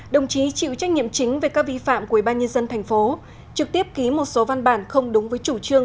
đồng chí chịu trách nhiệm chính về các vi phạm của ybnd tp trực tiếp ký một số văn bản không đúng với chủ trương